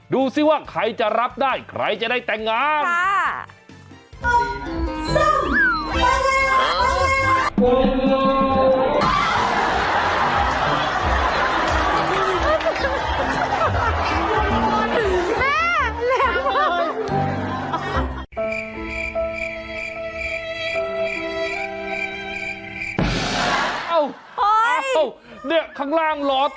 ดูสิว่าใครจะรับได้ใครจะได้แต่งงาน